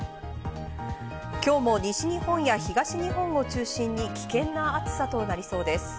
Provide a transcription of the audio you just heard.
今日も西日本や東日本を中心に危険な暑さとなりそうです。